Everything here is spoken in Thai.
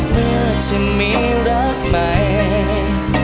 เมื่อฉันมีรักใหม่